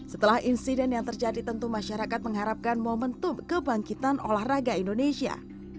setelah insiden yang terjadi tentu masyarakat mengharapkan momentum kebangkitan olahraga indonesia